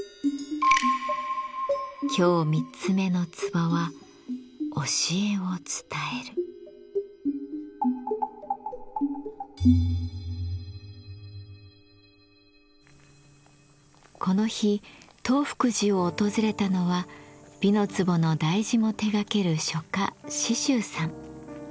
今日３つ目の壺はこの日東福寺を訪れたのは「美の壺」の題字も手がける書家紫舟さん。